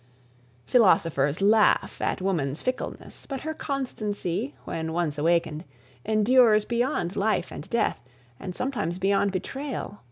Philosophers laugh at woman's fickleness, but her constancy, when once awakened, endures beyond life and death, and sometimes beyond betrayal.